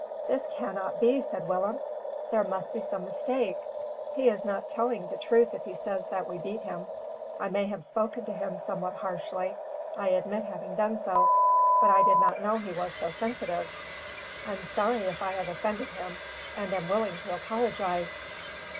"This cannot be," said Willem. "There must be some mistake. He is not telling the truth if he says that we beat him. I may have spoken to him somewhat harshly; I admit having done so, but I did not know he was so sensitive. I'm sorry, if I have offended him, and am willing to apologise."